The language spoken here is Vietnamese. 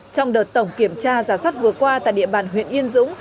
trong đợt tổng kiểm tra giả soát vừa qua tại địa bàn huyện yên dũng